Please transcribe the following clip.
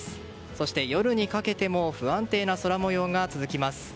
そして、夜にかけても不安定な空模様が続きます。